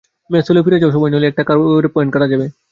Mace হলে ফিরে যাও সবাই, নইলে একটা করে পয়েন্ট কাটা যাবে।